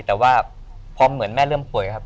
แต่ว่าพอเหมือนแม่เริ่มป่วยครับ